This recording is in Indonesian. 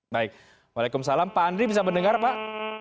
baik waalaikumsalam pak andri bisa mendengar pak